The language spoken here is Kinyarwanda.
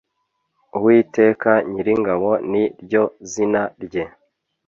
Uwiteka Nyiringabo ni ryo zina rye